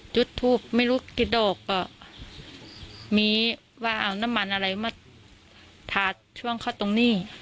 จุดทูปไม่รู้กี่ดอกก็มีว่าเอาน้ำมันอะไรมาทาช่วงเข้าตรงนี้